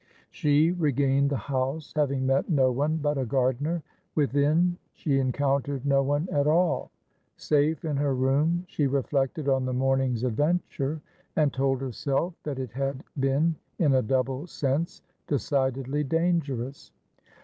She regained the house, having met no one but a gardener. Within, she encountered no one at all. Safe in her room, she reflected on the morning's adventure, and told herself that it had been, in a double sense, decidedly dangerous.